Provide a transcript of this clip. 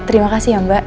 terima kasih ya mbak